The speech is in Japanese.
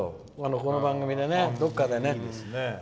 この番組のどこかでね。